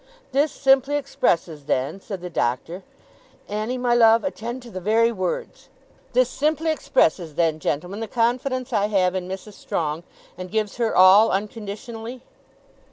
"This simply expresses then," said the Doctor Annie, my love, attend to the very words "this simply expresses then, gentlemen, the confidence I have in Mrs. Strong, and gives her all unconditionally?"